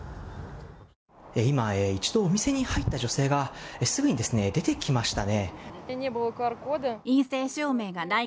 今、一度お店に入った女性がすぐに出てきましたね。